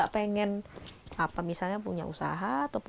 pertama saja barang ber created